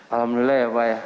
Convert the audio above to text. alhamdulillah ya pak